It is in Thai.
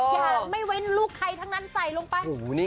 อย่างไม่เว้นลูกใครทั้งนั้นใส่ลงไป